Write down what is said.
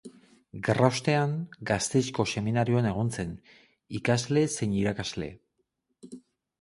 Gerraostean, Gasteizko seminarioan egon zen, ikasle zein irakasle.